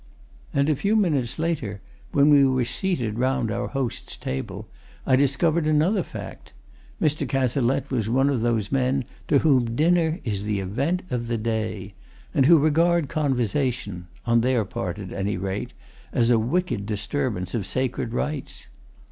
And a few minutes later, when we were seated round our host's table, I discovered another fact Mr. Cazalette was one of those men to whom dinner is the event of the day, and who regard conversation on their own part, at any rate as a wicked disturbance of sacred rites.